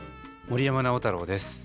森山直太朗です。